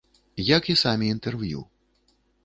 Як і самі інтэрв'ю.